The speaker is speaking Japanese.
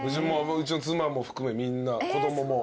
うちの妻も含めみんな子供も。